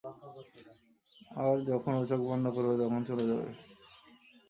আর যখন ও চোখ বন্ধ করবে, তখন চলে যাবে।